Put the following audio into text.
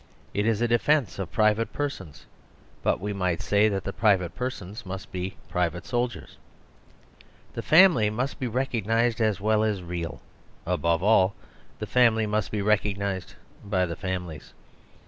It is a defence of private persons; but wc might say that the private persons must be private soldiers. The family must be recog nised as well as real; above all, the family must be recognised by the families.